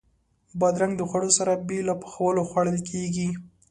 بادرنګ د خوړو سره بې له پخولو خوړل کېږي.